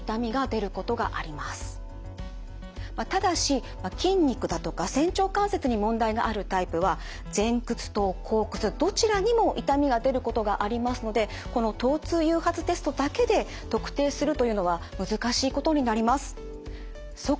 ただし筋肉だとか仙腸関節に問題があるタイプは前屈と後屈どちらにも痛みが出ることがありますのでこの疼痛誘発テストだけで特定するというのは難しいことになります。